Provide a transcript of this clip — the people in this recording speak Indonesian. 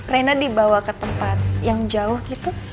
rena dibawa ke tempat yang jauh gitu